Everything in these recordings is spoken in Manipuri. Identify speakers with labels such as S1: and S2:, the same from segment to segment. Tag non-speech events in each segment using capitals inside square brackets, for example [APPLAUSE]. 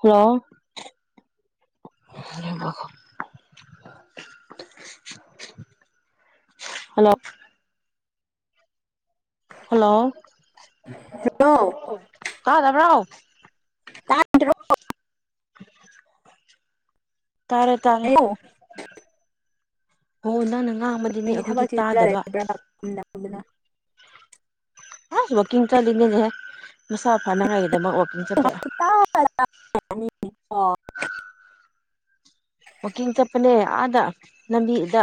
S1: ꯍꯂꯣ ꯑꯗꯨ ꯃꯈꯈ [INAUDIBLE] ꯍꯜꯂꯣ ꯍꯜꯂꯣ
S2: ꯅꯣ
S1: ꯇꯥꯗꯕꯔꯣ
S2: ꯇꯣ [INAUDIBLE]
S1: [INAUDIBLE] ꯇꯔꯦ ꯇꯔꯦ
S2: ꯀꯔꯤ
S1: ꯍꯣ ꯅ ꯉꯥꯡꯕꯗꯤꯅꯦ
S2: ꯊꯕꯛ
S1: ꯑꯩꯈꯣꯏꯗꯤ
S2: ꯆꯤꯜꯂ
S1: ꯇꯥꯗꯕ
S2: ꯂꯩꯕ꯭ꯔꯕ ꯀꯨꯝꯅꯕꯗ
S1: ꯑꯁ ꯋꯥꯀꯤꯡ ꯆꯠꯂꯤꯅꯦꯍꯦ ꯁꯥ ꯐꯅꯉꯥꯏꯒꯤꯗꯃꯛ ꯋꯥꯛꯀꯤꯡ ꯆꯠꯄ
S2: ꯁꯨꯛꯇꯥ ꯇꯥꯗ꯭ꯔꯅꯤꯀꯣ
S1: ꯋꯥꯀꯤꯡ ꯆꯄꯅꯦ ꯑꯥꯗ ꯂꯝꯕꯤꯗ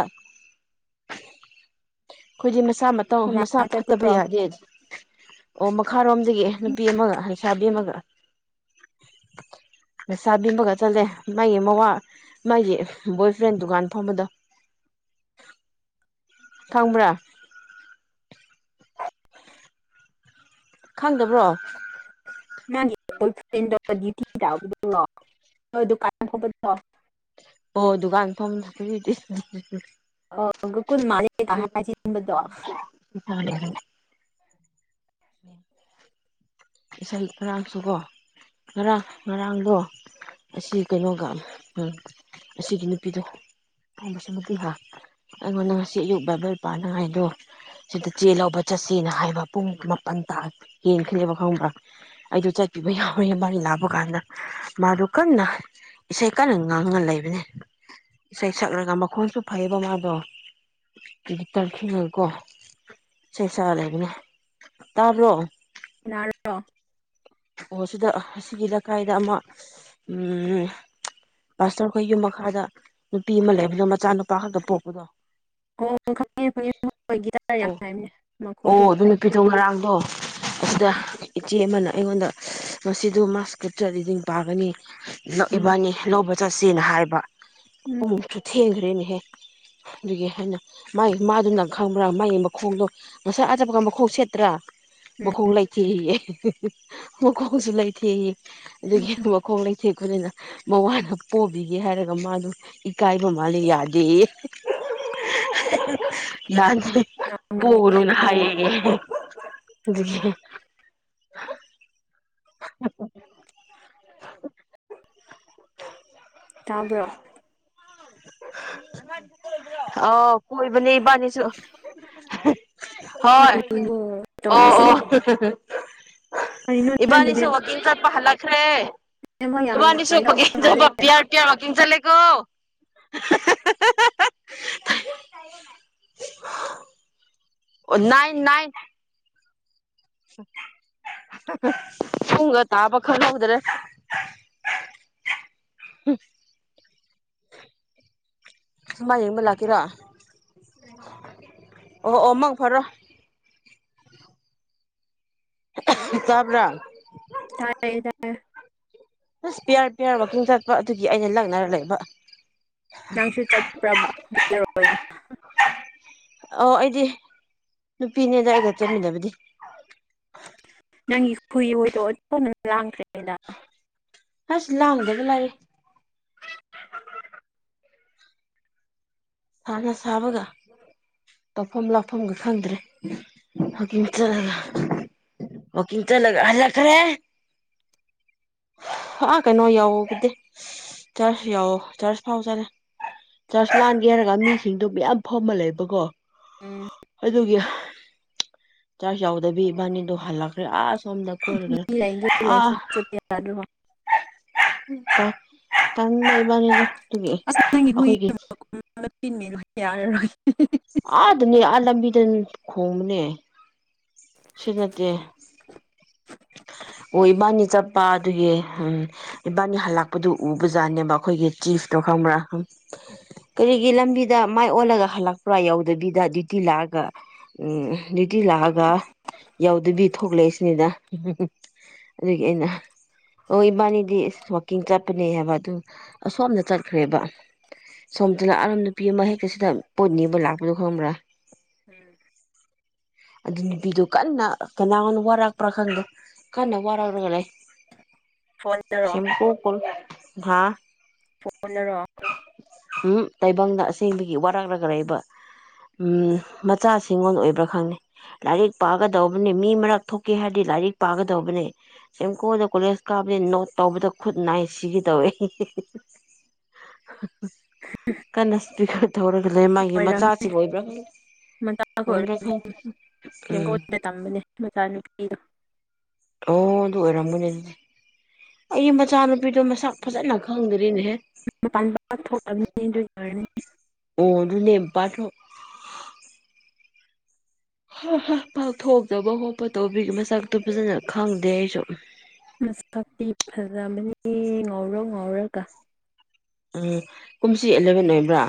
S1: ꯑꯩꯈꯣꯏꯗꯤ ꯃꯁꯥ ꯃꯇꯧ
S2: ꯀꯅꯥ
S1: ꯃꯁꯥ ꯐꯠꯇꯕ
S2: ꯆꯠꯄ꯭ꯔꯣ
S1: ꯌꯥꯗꯦ ꯑꯣ ꯃꯈꯥꯔꯣꯝꯗꯒꯤ ꯅꯨꯄꯤ ꯑꯃꯒ ꯂꯩꯩꯁꯥꯕꯤ ꯑꯃꯒ ꯂꯩꯁꯥꯕꯤꯕꯒ ꯆꯠꯂꯦ ꯃꯥꯒꯤ ꯃꯋꯥ ꯃꯥꯒꯤ ꯕꯣꯏ ꯐ꯭ꯔꯦꯟ ꯗꯨꯀꯥꯟ ꯐꯝꯕꯗꯣ [INAUDIBLE] ꯈꯪꯕ꯭ꯔꯥ ꯈꯪꯗꯕ꯭ꯔꯣ
S2: ꯃꯥꯒꯤ ꯐ꯭ꯔꯗ ꯂꯣꯑꯣ [INAUDIBLE] ꯗꯨꯀꯥꯟ ꯈꯕ ꯊꯣ [INAUDIBLE]
S1: ꯑꯣ ꯗꯨꯀꯥꯟ ꯐꯝ
S2: ꯑꯒꯒꯨꯜ ꯃꯥꯅꯤꯕꯗ [INAUDIBLE]
S1: ꯏꯁꯩ ꯈꯔꯥꯡꯁꯨꯀꯣ ꯉꯔꯥꯡ ꯉꯔꯥꯡꯗꯣ ꯑꯁꯤ ꯀꯩꯅꯣꯒ ꯑꯁꯤꯒꯤ ꯅꯨꯄꯤꯗꯣ ꯃꯥꯏ ꯃꯆꯟꯅꯨꯄꯤꯒ ꯑꯩꯉꯣꯟꯗ ꯉꯁꯤ ꯑꯌꯨꯛ ꯕ ꯄꯅꯉꯥꯏꯗꯣ ꯁꯤꯗ ꯆꯦ ꯂꯧꯕ ꯆꯠꯁꯤꯅ ꯍꯥꯏꯕ ꯄꯨꯡ ꯄꯟ ꯀꯦꯟꯈ꯭ꯔꯦꯕ ꯈꯪꯕ꯭ꯔꯥ ꯑꯩꯗꯣ ꯆꯠꯄꯤꯕ ꯌꯥꯎꯋꯦ ꯃꯥꯒꯤ ꯂꯥꯞꯄ ꯀꯥꯟꯗ ꯃꯥꯗꯣ ꯑꯗꯨ ꯀꯟꯅ ꯏꯁꯩ ꯀꯟꯅ ꯉꯥꯡꯉ ꯂꯩꯕꯅꯦ ꯏꯁꯩ ꯁꯛꯂꯒ ꯃꯈꯣꯟꯁꯨ ꯐꯩꯌꯦꯕ ꯃꯥꯗꯣ ꯒꯤꯇꯔ ꯈꯤꯉꯀꯣ ꯁ ꯆꯥ ꯂꯩꯕꯅꯦ ꯇꯥꯕ꯭ꯔꯣ
S2: ꯅꯔꯣ
S1: ꯑꯣ ꯁꯤꯗ ꯑꯁꯤꯒꯤ ꯂꯩꯀꯥꯏꯗ ꯑꯃ ꯎꯝ ꯃꯥꯁꯇꯔꯈꯣꯏ ꯌꯨꯝ ꯃꯈꯥꯗ ꯅꯨꯄꯤ ꯑꯃ ꯂꯩꯕꯅꯦ ꯃꯆꯥ ꯅꯨꯄꯥ ꯈꯛꯇ ꯄꯣꯛꯄꯗꯣ
S2: ꯑꯣ [INAUDIBLE] ꯐ ꯑꯣꯏ ꯇꯔ ꯌꯥꯝ
S1: ꯑꯣ
S2: ꯍꯥꯏꯕꯅꯦ ꯃꯈꯣꯏꯁꯨ
S1: ꯑꯣ ꯑꯗꯨ
S2: ꯐꯩ
S1: ꯅꯨꯄꯤꯗꯣ ꯉꯔꯥꯡꯗꯣ ꯑꯁꯤꯗ ꯏꯆꯦ ꯑꯃꯅ ꯑꯩꯉꯣꯟꯗ ꯉꯁꯤꯗ ꯃꯥꯁ ꯀꯠꯇ꯭ꯔ ꯂꯤꯗꯤꯡ ꯄꯥꯒꯅꯤ
S2: ꯎꯝ
S1: ꯏꯕꯥꯅꯤ ꯂꯧꯕ ꯆꯠꯁꯦꯅ ꯍꯥꯏꯕ
S2: ꯎꯝ
S1: ꯑꯃꯨꯛꯁꯨ ꯊꯦꯡꯈ꯭ꯔꯦꯅꯦꯍꯦ ꯑꯗꯨꯒꯤ ꯍꯥꯏꯅ ꯃꯥꯒꯤ ꯃꯥꯗꯨꯅ ꯈꯪꯕ꯭ꯔꯥ ꯃꯥꯒꯤ ꯃꯈꯣꯡꯗꯣ ꯉꯁꯥꯏ ꯑꯆꯞꯄꯀ ꯃꯈꯣꯡ ꯁꯦꯠꯇ꯭ꯔꯥ
S2: ꯎꯝ
S1: ꯃꯈꯈꯣꯡ ꯂꯩꯥꯏꯊꯦ ꯃꯈꯈꯣꯡꯁꯨ ꯂꯩꯥꯏꯊꯦ ꯑꯗꯨꯗꯒꯤ
S2: ꯎꯝ
S1: ꯃꯈꯣꯡ ꯂꯩ ꯊ ꯑꯩꯅꯤꯅ ꯃꯋꯥꯅ ꯄꯣꯕꯤꯒꯦ ꯍꯥꯏꯔꯒ ꯃꯥꯗꯨ ꯏꯀꯥꯏꯕ ꯃꯥꯜꯂꯦ ꯌꯥꯗꯦ ꯂꯥꯟ
S2: ꯉꯥꯎꯔꯤꯅꯦ
S1: ꯄꯣꯔꯣꯅ ꯍꯥꯏ ꯍ [INAUDIBLE]
S2: ꯇꯥꯕ꯭ꯔꯣ
S1: ꯑ ꯀꯣꯏꯕꯅꯦ ꯏꯕꯥꯅꯤꯁꯨ ꯍꯣꯏ
S2: ꯀꯔꯤꯅꯣ
S1: ꯑꯣ
S2: ꯇꯧꯔꯤꯁꯦ
S1: ꯑꯣ
S2: ꯀꯔꯤꯅꯣ ꯅꯪꯒꯤ
S1: ꯏꯕꯅꯤꯁꯨ
S2: ꯅꯦꯠ
S1: ꯋꯥꯀꯤꯡ ꯆꯠꯄ ꯍꯜꯂꯈ꯭ꯔꯦ
S2: ꯅꯦꯠꯋꯥꯛ ꯌꯥꯝ
S1: ꯏꯕꯅꯤꯁꯨ
S2: ꯅꯨꯡꯉꯥꯏꯇꯕ ꯃꯥꯜꯂꯦ
S1: ꯍ ꯄꯤꯌꯔ ꯄꯤꯌꯥꯔ ꯍꯀꯤꯡ ꯆꯠꯂꯦꯀꯣ [UNINTELLIGIBLE] ꯑꯣ ꯅꯥꯟ ꯅꯥꯏꯟ ꯎꯨꯡꯒ ꯇꯥ ꯄꯈꯅ ꯍꯗ꯭ꯔꯦ ꯎ ꯁꯨꯃꯥꯏ ꯌꯦꯡꯕ ꯂꯥꯛꯀꯦꯔꯣ ꯑꯣ ꯑꯣ ꯃꯪ ꯐꯔꯣ ꯆꯕ ꯔꯪ
S2: ꯇꯥꯏꯌꯦ ꯇꯥꯏꯌꯦ
S1: ꯑꯁ ꯄꯤꯌꯥꯔ ꯄꯤꯌꯥꯔ ꯋꯥꯛꯀꯤꯡ ꯆꯠꯄ ꯑꯗꯨꯒꯤ ꯑꯩꯅ ꯂꯛꯅꯔ ꯂꯩꯕ
S2: ꯅꯅꯥꯥꯡꯁꯨꯔ ꯆꯠꯇꯄ꯭ꯔꯔꯅ
S1: ꯑꯣ ꯑꯩꯗꯤ ꯅꯨꯄꯤꯅꯦꯗ ꯑꯩꯒ ꯆꯟꯃꯤꯗꯕꯗꯤ
S2: ꯅꯪꯒꯤ ꯈꯨꯨꯏꯗꯣꯇꯅ ꯂꯥꯡꯈ꯭ꯔꯦꯗ
S1: ꯑꯁ ꯂꯥꯡꯗꯕ ꯂꯥꯏꯔꯦ
S2: ꯍ [UNINTELLIGIBLE]
S1: ꯊꯅ ꯁꯥꯕꯒ ꯇꯧꯐꯝ ꯂꯥꯞꯐꯝꯒ ꯈꯪꯗ꯭ꯔꯦ ꯍꯀꯤꯡ ꯆꯠꯂꯒ ꯑꯣ ꯀꯤꯟ ꯆꯂ ꯍꯜꯂ ꯈꯔꯦ ꯑꯥ ꯀꯩꯅꯣ ꯌꯥꯎꯕꯗꯤ ꯆꯔꯆ ꯌꯥꯎꯑꯣꯣ ꯆꯔꯆ ꯐꯥꯎꯖꯔꯦ ꯆꯔꯆ ꯂ ꯌꯦꯔꯒꯥꯃꯤꯨꯁꯤꯡꯗꯣ ꯃꯌꯥꯝ ꯐꯝꯃ ꯂꯩꯕꯀꯣ
S2: ꯎꯝ
S1: ꯑꯗꯨꯒꯤ ꯆꯥꯛ ꯆꯥꯎꯎꯗꯕꯤ ꯏꯕꯥꯅꯤꯗꯣ ꯍꯜꯂꯛꯈ꯭ꯔꯦ ꯑꯥꯁꯁ ꯁꯗ
S2: ꯃꯤ
S1: ꯀꯔ
S2: ꯂꯩꯒꯦ
S1: ꯑ
S2: ꯂꯩꯁꯨ ꯆꯠꯄ ꯌꯥꯗ꯭ꯔꯣ
S1: ꯀꯕꯅꯤꯒ
S2: ꯑꯁ ꯅꯪꯒꯤ ꯍꯨꯏꯤꯟ ꯌꯥꯔꯔꯣꯏ [UNINTELLIGIBLE]
S1: ꯑꯗꯅꯤ ꯑ ꯂꯝꯕꯤꯗ ꯈꯣꯕꯅꯦ ꯁꯤ ꯅꯠꯇꯦ ꯑꯣ ꯏꯕꯥꯅꯤ ꯆꯠꯄ ꯑꯗꯨꯒꯤ ꯏꯕꯥꯅꯤ ꯍꯜꯂꯛꯄꯗꯨ ꯎꯕꯖꯥꯠꯅꯦꯕ ꯑꯩꯈꯣꯏꯒꯤ ꯆꯤꯐ ꯈꯪꯕ꯭ꯔꯥ ꯀꯔꯤꯒꯤ ꯂꯝꯕꯤꯗ ꯃꯥꯏ ꯑꯣꯜꯂꯒ ꯍꯜꯂꯛꯄ꯭ꯔꯥ ꯌꯥꯎꯗꯕꯤꯗ ꯗ꯭ꯌꯨꯇꯤ ꯂꯑꯒ ꯎ ꯗ꯭ꯌꯨꯇꯤ ꯂꯥꯛꯑꯒ ꯌꯥꯎꯗꯕꯤ ꯊꯣꯛꯂꯛꯏꯁꯤꯅꯤꯅ ꯎꯝ ꯑꯗꯨꯒꯤ ꯑꯩꯅ ꯑꯣ ꯏꯕꯥꯅꯤꯗꯤ ꯑꯁ ꯀꯡ ꯆꯠꯄꯅꯦ ꯍꯥꯏꯕ ꯑꯗꯨ ꯑꯁꯣꯝꯗ ꯆꯠꯈ꯭ꯔꯦꯕ ꯁꯣꯝꯇ ꯂꯥꯛꯑꯔꯝ ꯅꯨꯄꯤ ꯑꯃ ꯍꯦꯛꯇꯁꯤꯗ ꯄꯣꯠꯅꯦꯕ ꯂꯥꯛꯄꯗꯣ ꯈꯪꯕ꯭ꯔꯥ
S2: ꯎꯝ
S1: ꯑꯗꯨ ꯅꯨꯄꯤꯗꯨꯣ ꯀꯟꯅ ꯀꯅꯥꯒ ꯋꯥꯔꯛꯄ꯭ꯔꯥ ꯈꯪꯗꯣ ꯀꯟꯅ ꯋꯥꯔꯛꯔꯒ ꯂꯩ
S2: ꯐꯣꯟꯗꯔꯣ
S1: ꯁꯤꯝꯄꯨ ꯄꯜ ꯥ
S2: ꯐꯨꯅꯔꯣ
S1: ꯎꯝ ꯇꯥꯏꯕꯪꯅ ꯑꯁꯦꯡꯕꯒꯤ ꯋꯥꯔꯥꯛꯂꯒ ꯂꯩꯕ ꯎ ꯃꯆꯥ ꯁꯤꯡꯒꯣ ꯑꯣꯏꯕ꯭ꯔꯥ ꯈꯪꯅꯤ ꯂꯥꯏꯔꯤꯛ ꯄꯥꯒꯗꯧꯕꯅꯤ ꯃꯤ ꯃꯔꯛ ꯊꯣꯛꯀꯦ ꯍꯥꯏꯔꯗꯤ ꯂꯥꯏꯔꯤꯛ ꯄꯥꯒꯗꯧꯕꯅꯦ ꯁꯨꯝ ꯀꯣꯟꯗ ꯀꯣꯂꯦꯖ ꯀꯥꯞꯕꯅꯦ ꯅꯣꯠ ꯇꯧꯕꯗ ꯈꯨꯠ ꯅꯥꯏ ꯁꯤꯒꯗꯧꯋꯦ ꯀꯅꯥꯁꯄꯤ [UNINTELLIGIBLE] ꯊꯧꯔꯒꯂꯦ ꯃꯥꯒꯤ ꯃꯆꯥꯁꯤ ꯑꯣꯏꯕ꯭ꯔꯥ
S2: ꯃꯆꯥ ꯈ
S1: ꯑꯣꯏꯕ꯭ꯔꯥ ꯈꯪ
S2: ꯑꯣꯏꯅꯤ
S1: ꯎꯝ
S2: ꯁꯦꯡꯀꯣꯗ ꯇꯝꯕꯅꯦ ꯃꯆꯥ ꯅꯨꯨꯄꯤꯗꯣ
S1: ꯑꯣ ꯑꯗꯨ ꯑꯣꯏꯔꯝꯒꯅꯤ ꯑꯩ ꯃꯆꯥꯅꯨꯄꯤꯗꯣ ꯃꯁꯛ ꯐꯖꯅ ꯈꯪꯗ꯭ꯔꯤꯅꯦꯍꯦ
S2: ꯃꯄꯥꯟ ꯄꯥꯛ ꯊꯣꯛꯇꯕꯅꯤ ꯑꯗꯨꯒꯤ ꯑꯣꯏꯔꯅꯤ
S1: ꯑꯣ ꯑꯗꯨ ꯅꯦꯝꯄꯥ ꯊ ꯄꯥꯛꯊꯣꯛꯇꯕ ꯈꯣꯠꯄ ꯇꯧꯕꯤꯒꯤ ꯃꯁꯛꯇꯣ ꯐꯖꯅ ꯈꯪꯗꯦ ꯑꯩꯁꯨ
S2: ꯃꯁꯤ ꯐꯖꯕꯅꯦꯍꯦ ꯉꯥꯎꯔꯣꯛ ꯉꯥꯎꯔꯒ
S1: ꯎꯝ ꯀꯨꯝꯁꯤ ꯑꯦꯂꯚꯦꯟ ꯑꯣꯏꯕ꯭ꯔꯥ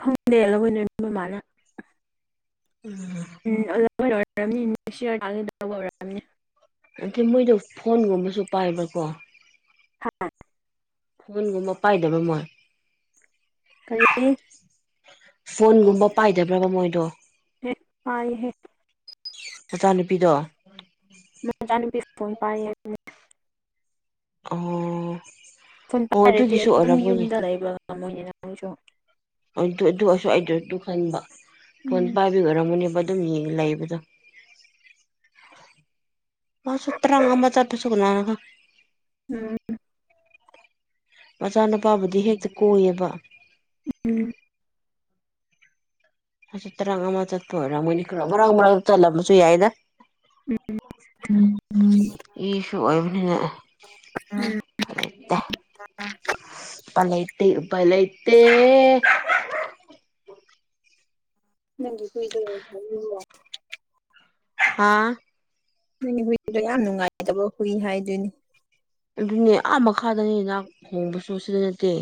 S2: ꯈꯪꯗꯦ ꯂꯣꯏꯅ ꯃꯃꯥꯅ
S1: ꯎꯝ
S2: ꯍꯣꯏ ꯑꯣꯏꯔꯔꯕꯅꯤ ꯅꯦꯛꯁ ꯏꯔꯧꯕ ꯑꯣꯏꯔꯛꯝꯅꯤ
S1: ꯑꯗ ꯃꯣꯏꯗ ꯐꯣꯟꯒꯨꯝꯕꯁꯨ ꯄꯥꯏꯕ꯭ꯔꯥꯀꯣ
S2: ꯍꯥꯥ
S1: ꯐꯣꯟꯒꯨꯝꯕ ꯄꯥꯏꯗꯕ ꯃꯣꯏ
S2: ꯀꯔꯤ
S1: ꯐꯣꯟꯒꯨꯝꯕ ꯄꯥꯏꯗꯕ꯭ꯔꯕ ꯃꯣꯏꯗꯣ
S2: ꯄꯥꯏꯍꯦ
S1: ꯃꯆꯥ ꯅꯨꯨꯄꯤꯗꯣ
S2: ꯃꯆꯥꯅꯨꯄꯤ ꯐꯣꯟ ꯄꯥꯏꯌꯦ ꯍꯥꯏꯕꯅꯦ
S1: ꯑꯣ
S2: ꯐꯣꯟ ꯄꯥꯏꯔꯗꯤ
S1: ꯑꯗꯨꯒꯤꯁꯨ
S2: ꯑꯗꯨꯝ
S1: ꯑꯣꯏꯔꯝꯒꯅꯤ
S2: ꯌꯨꯝꯗ ꯂꯩꯕ ꯀꯥꯝꯕꯨ ꯅꯤꯅ ꯃꯣꯏꯅꯤꯁꯨ
S1: ꯑꯗꯨ ꯑꯗꯨ ꯑꯣꯏꯁꯨ ꯑꯩꯗꯣ ꯑꯗꯨ ꯈꯟꯕ ꯐꯣꯟ
S2: ꯎꯝ
S1: ꯄꯥꯏꯕꯒꯤ ꯑꯣꯏꯔꯝꯒꯅꯤꯕ ꯑꯗꯨꯝ ꯌꯦꯡꯉ ꯂꯩꯕꯗꯣ ꯃꯥꯁꯨ ꯇꯔꯥꯡ ꯑꯃ ꯆꯠꯄꯁꯨ ꯀꯥꯅꯥꯅ ꯈꯪ
S2: ꯎꯝ
S1: ꯃꯆꯥꯅꯨꯄꯥꯕꯨꯗꯤ ꯍꯦꯛꯇ ꯀꯣꯏꯌꯦꯕ
S2: ꯎꯝ
S1: ꯑ ꯇꯔꯪ ꯑꯃ ꯆꯠꯄ ꯑꯣꯏꯔꯝꯒꯅꯤ ꯃꯣꯏꯅꯤ ꯈꯥ ꯃꯔꯥꯡ ꯃꯔꯥꯡ ꯃꯠꯂꯝꯕꯁꯨ ꯌꯥꯏꯗ
S2: ꯎꯝ ꯎꯝ
S1: ꯏꯁꯨ ꯑꯣꯏꯕꯅꯤꯅ
S2: ꯎꯝ
S1: ꯎꯄꯥꯏꯂꯩꯇꯦ ꯎꯄꯥꯏꯂꯩꯇꯦ ꯎꯄꯥꯏꯂꯩ ꯇꯦ
S2: ꯅꯪꯒꯤꯗꯤ ꯑꯗꯨꯝ [UNINTELLIGIBLE]
S1: ꯍꯥ
S2: ꯍꯨꯏꯗꯣ ꯌꯥꯝ ꯅꯨꯡꯉꯥꯏꯇꯕ ꯍꯨꯏ ꯍꯥꯏꯗꯣꯏꯅꯦ
S1: ꯑꯗꯨꯅꯦ ꯑꯥ ꯃꯈꯥꯗꯅꯤ ꯍꯥꯛ ꯍꯣꯡꯕꯁꯨ ꯁꯤꯗ ꯅꯠꯇꯦ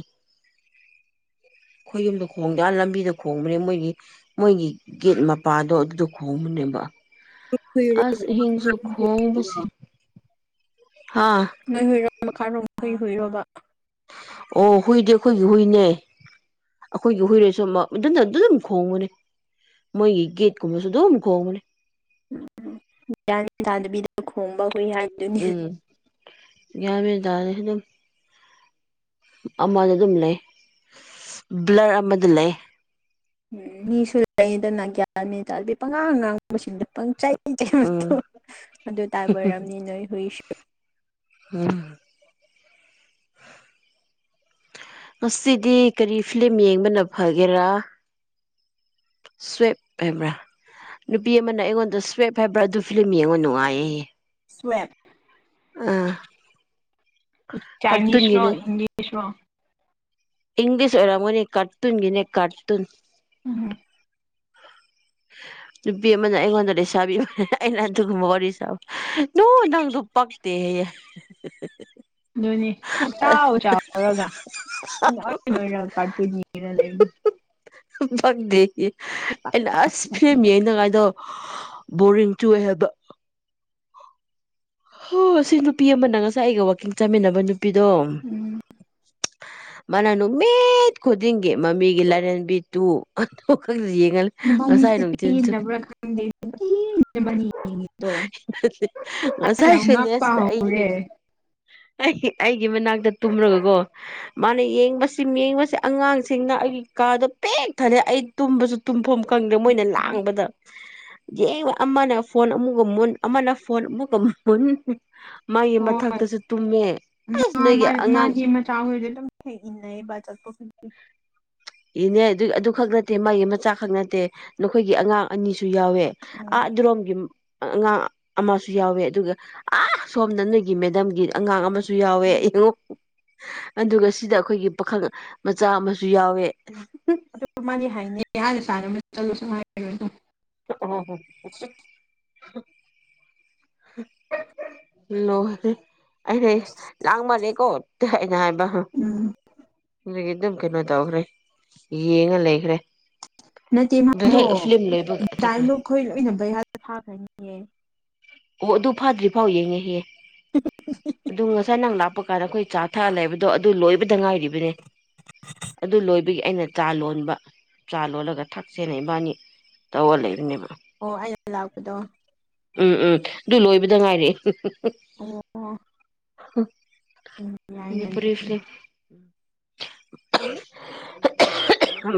S1: ꯑꯩꯈꯣꯏꯌꯨꯝꯗ ꯈꯣꯡꯗ ꯂꯝꯕꯤꯗ ꯈꯣꯡꯕꯅꯦ ꯃꯣꯏꯒꯤ ꯃꯣꯏꯒꯤ ꯒꯦꯠ ꯃꯄꯥꯗꯣ ꯑꯗꯨꯗ ꯈꯣꯡꯕꯅꯤ
S2: ꯍꯨꯏꯔꯣ
S1: ꯑꯁ ꯑꯍꯤꯡꯁꯨ ꯈꯣꯡꯕꯁꯤ ꯍꯥꯥ
S2: ꯅꯣꯏ ꯍꯨꯏꯔꯣ ꯃꯈꯥꯔꯣꯝ ꯈꯣꯏ ꯍꯨꯏꯔꯣꯕ
S1: ꯑꯣ ꯍꯨꯏꯗꯤ ꯈꯣꯏꯒꯤ ꯍꯨꯏꯅꯦ ꯑꯩꯈꯣꯏꯒꯤ ꯍꯨꯏꯔꯣꯏꯁꯨ ꯃꯥ ꯑꯗꯨꯗ ꯑꯗꯨꯝ ꯈꯣꯡꯕꯅꯦ ꯃꯣꯏꯒꯤ ꯒꯦꯠ ꯀꯨꯝꯃꯁꯨ ꯑꯗꯨꯝ ꯈꯣꯡꯕꯅꯦ
S2: ꯒꯌ꯭ꯥꯟ ꯃꯦꯟ ꯇꯥꯗꯥꯕꯤꯗ ꯈꯣꯡꯕ ꯍꯨꯏ ꯍꯥꯏꯕꯗꯨꯅꯤ
S1: ꯒꯌ꯭ꯥꯟꯌꯥ ꯃꯦꯟ ꯇꯥꯗꯥꯔꯦ ꯑꯗꯨꯝ ꯑꯃꯗ ꯑꯗꯨꯝ ꯂꯩ ꯕ꯭ꯂꯔ ꯑꯃꯗ ꯗꯨꯝ ꯂꯩ
S2: ꯎꯝ ꯃꯤꯁꯨ ꯂꯩꯗꯅ ꯒ꯭ꯌꯥꯟ ꯃꯦꯟ ꯇꯥꯗꯕꯤ ꯄꯪꯉꯥꯡ ꯑꯉꯥꯡꯁꯤꯡꯗ ꯄꯪꯆꯩ
S1: ꯎꯝ
S2: ꯑꯗꯨ ꯇꯥꯏꯕ ꯑꯣꯏꯔꯝꯅꯤ ꯅꯣꯏ ꯍꯨꯏꯁꯨ
S1: ꯎꯝ ꯉꯁꯤꯗꯤ ꯀꯔꯤ ꯐꯤꯂꯝ ꯌꯦꯡꯕꯅ ꯐꯒꯦꯔꯥ ꯁ꯭ꯋꯦꯞ ꯍꯥꯢꯕꯔ ꯅꯨꯄꯤ ꯑꯃꯅ ꯑꯩꯉꯣꯟꯗ ꯁ꯭ꯋꯦꯞ ꯍꯥꯏꯕ꯭ꯔꯥ ꯑꯗꯨ ꯐꯤꯂꯝ ꯌꯦꯡꯉꯣ ꯅꯨꯡꯉꯥꯏꯌꯦ
S2: ꯁ꯭ꯋꯦꯞ
S1: ꯑꯥ
S2: ꯆꯥꯏꯅꯤꯁ ꯔꯣ
S1: ꯀꯥꯔꯇꯨꯟꯒꯤꯅꯦ
S2: ꯏꯪꯂꯤꯁꯔꯣ
S1: ꯏꯪꯂꯤꯁ ꯑꯣꯔꯝꯒꯅꯤ ꯀꯔꯇꯨꯟꯒꯤꯅꯦ ꯀꯥꯔꯇꯨꯟ
S2: ꯎꯝ
S1: ꯅꯨꯄꯤ ꯑꯃꯅ ꯑꯩꯉꯣꯟꯗ ꯂꯩꯁꯥꯕꯤ ꯑꯩꯅ ꯑꯗꯨꯒꯨꯝꯕ ꯋꯥꯔꯤ ꯁꯥꯕ ꯅꯣ ꯅꯪꯗꯣ ꯄꯛꯇꯦ ꯍꯥꯏꯌꯦ
S2: ꯑꯗꯨꯅꯤ ꯆꯥꯎ ꯆꯥꯎꯔꯒ ꯏꯅꯣꯏ ꯅꯣꯏꯔꯒ ꯀꯔꯇꯨꯟ ꯉꯦꯡꯉꯥꯒ ꯂꯩꯕꯅꯦ
S1: ꯐꯪꯗꯦ ꯑꯩꯅ ꯑꯁ ꯐꯤꯂꯝ ꯉꯦꯡꯅ ꯉꯥꯏꯗꯣ ꯕꯣꯔꯤꯡ ꯆꯨꯏ ꯍꯥꯏꯕ ꯍꯣ ꯁꯤ ꯅꯨꯄꯤ ꯑꯃꯅ ꯉꯁꯥꯏ ꯑꯩꯒ ꯋꯥꯛꯀꯤꯡ ꯆꯥꯃꯤꯟꯅꯕ ꯅꯨꯄꯤꯗꯣ
S2: ꯎꯝ
S1: ꯃꯥꯅ ꯅꯨꯃꯤꯠ ꯈꯨꯗꯤꯡꯒꯤ ꯃꯥꯃꯤꯒꯤ ꯂꯥꯏꯔꯦꯝꯕꯤ ꯇꯨ ꯑꯗꯨꯈꯛꯇ
S2: ꯅꯚꯁꯤ ꯄ ꯅꯕ꯭ꯔ ꯈ [UNINTELLIGIBLE]
S1: ꯉꯁꯥꯏ [UNINTELLIGIBLE] ꯑꯩ ꯑꯩ ꯑꯩꯒꯤ ꯃꯅꯥꯛꯇ ꯇꯨꯝꯂꯒꯀꯣ ꯃꯥꯅ ꯌꯦꯡꯕꯁꯤ ꯌꯦꯡꯕꯁꯦ ꯑꯉꯥꯡꯁꯤꯡꯅ ꯑꯩꯒꯤ ꯀꯥꯗꯣ ꯄꯦꯛ ꯊꯂꯩ ꯑꯩ ꯇꯨꯝꯕꯁꯨ ꯇꯨꯝꯐꯝ ꯈꯪꯗ꯭ꯔꯦ ꯃꯣꯏꯅ ꯂꯥꯡꯕꯗ ꯌꯦ ꯑꯃꯅ ꯐꯣꯟ ꯑꯃꯨꯛꯒ ꯃꯨꯟ ꯑꯃꯅ ꯐꯣꯟ ꯑꯃꯨꯛꯀ ꯃꯨꯟ ꯃꯥꯒꯤ
S2: ꯍꯣꯏ
S1: ꯃꯊꯛꯇꯁꯨ ꯇꯨꯝꯃꯦ ꯑꯁ
S2: ꯃꯥ
S1: ꯅꯣꯏꯒꯤ
S2: ꯃꯥꯒꯤ ꯃ ꯆꯥꯥꯎꯕ ꯆꯠꯄ ꯐ
S1: ꯏꯅꯦ ꯑꯗꯨ ꯑꯗꯨ ꯈꯛ ꯅꯠꯇꯦ ꯃꯥꯒꯤ ꯃꯆꯥ ꯈꯛ ꯅꯠꯇꯦ ꯅꯈꯣꯏꯒꯤ ꯑꯉꯥꯡ ꯑꯅꯤꯁꯨ ꯨ ꯌꯥꯎꯋꯦ
S2: ꯎꯝ
S1: ꯑꯥ ꯑꯗꯨꯔꯣꯝꯒꯤ ꯑꯉꯥꯡ ꯑꯃꯁꯨ ꯌꯥꯎꯋꯦ ꯑꯗꯨꯒ ꯑ ꯁꯣꯝꯗꯅ ꯅꯣꯏꯒꯤ ꯃꯦꯗꯝꯒꯤ ꯑꯉꯥꯡ ꯑꯃꯁꯨ ꯁꯨ ꯌꯥꯎꯋꯦ ꯌꯦꯡꯉ ꯑꯗꯨꯒ ꯁꯤꯗ ꯑꯩꯈꯣꯏꯒꯤ ꯄꯥꯈꯪ ꯃꯆꯥ ꯑꯃꯁꯨ ꯌꯥꯎꯋꯦ
S2: ꯑꯗꯨ ꯃꯥꯗꯤ ꯍꯥꯏꯅꯤ ꯍꯥꯟꯅ ꯁꯥꯟꯅꯕꯅꯕ ꯆꯠꯂꯣ ꯁꯉꯔ ꯑꯗꯨꯝ
S1: ꯎꯝ [UNINTELLIGIBLE] ꯂꯥꯥꯡꯃꯥꯜꯂꯩꯀꯣ ꯅ ꯍꯥꯏꯕ
S2: ꯎꯝ
S1: ꯑꯗꯨꯗꯒꯤ ꯑꯗꯨꯝ ꯀꯩꯅꯣ ꯇꯧꯈ꯭ꯔꯦ ꯌꯦꯡꯉ ꯂꯩꯈ꯭ꯔꯦ ꯍꯦ ꯐꯤꯂꯝ ꯂꯣꯏꯕ
S2: ꯗꯥꯏꯂꯣꯛ ꯈꯈꯣꯏ ꯂꯣꯏꯅꯕ ꯌꯥꯗ ꯊꯥꯈ꯭ꯔꯅꯤꯌꯦꯦ
S1: ꯑꯣ ꯑꯗꯨ ꯐꯥꯗ꯭ꯔꯤ ꯐꯥꯎ ꯌꯦꯡꯉꯦꯍꯦ ꯑꯗꯨ ꯉꯁꯥꯏ ꯅꯪ ꯂꯥ ꯊꯄ ꯀꯥꯟꯗ ꯑꯩꯈꯣꯏ ꯆꯥ ꯊꯛꯑꯒ ꯂꯩꯕꯗꯣ ꯑꯗꯨ ꯂꯣꯏꯕꯗ ꯉꯥꯏꯔꯤꯕꯅꯦ ꯑꯗꯨ ꯂꯣꯏ ꯑꯗꯨꯒꯤ ꯑꯩꯅ ꯆꯥ ꯂꯣꯟꯕ ꯆꯥ ꯂꯣꯜꯂꯒ ꯊꯛ ꯁꯦ ꯏꯕꯥꯅꯤ ꯇꯧꯔ ꯂꯩꯕꯅꯦꯕ
S2: ꯑꯣ ꯑꯩꯅ ꯂꯥꯛꯄꯗꯣ
S1: ꯎꯝ ꯎꯝ ꯑꯗꯨ ꯂꯣꯏꯕꯗ ꯉꯥꯏꯔꯑꯦ
S2: ꯑꯣ ꯎꯝ
S1: ꯑ
S2: ꯌꯥꯏꯅꯦ ꯑꯗꯨ
S1: ꯄꯨꯁꯂ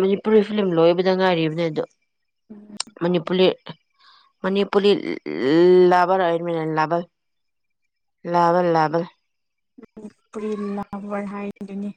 S1: ꯃꯅꯤꯄꯨꯔꯤ ꯐꯤꯂꯝ ꯂꯣꯏꯕꯗ ꯉꯥꯏꯔꯤꯕꯅꯦ ꯑꯗꯣ ꯃꯅꯤꯄꯨꯨꯔ ꯃꯅꯤꯄꯨꯨꯔ ꯂꯕꯔ ꯑꯣꯏꯔꯃꯤ ꯂꯩ ꯂꯕ ꯂꯦꯕꯦꯜ ꯂꯦꯕꯦꯜ
S2: ꯐꯔꯤ ꯂꯚꯔ ꯍꯥꯏꯗꯨꯅꯤ